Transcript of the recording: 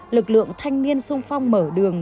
lực lượng thanh niên sung phong mở đường